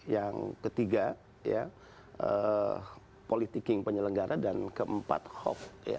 yang ketiga politiking penyelenggara dan keempat hoax